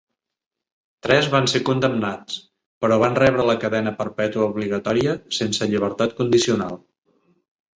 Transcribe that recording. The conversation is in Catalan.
Tres van ser condemnats, però van rebre la cadena perpètua obligatòria sense llibertat condicional.